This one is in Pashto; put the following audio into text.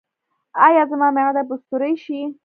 ایا زما معده به سورۍ شي؟